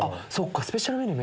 スペシャルメニュー